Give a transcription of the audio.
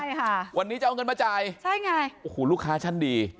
ใช่ค่ะวันนี้จะเอาเงินมาจ่ายใช่ไงโอ้โหลูกค้าชั้นดี